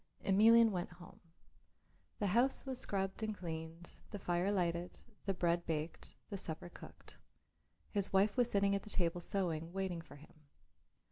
Emelian went home. The house was scrubbed and cleaned, the fire lighted, the bread baked, the supper cooked. His wife was sitting at the table sewing, waiting for him.